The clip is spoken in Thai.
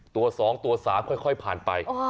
ตัว๒ตัว๓ค่อยผ่านไป